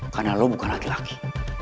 karena lo bukan laki laki